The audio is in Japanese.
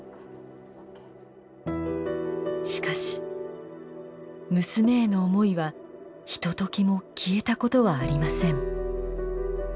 しかし娘への思いはひとときも消えたことはありません。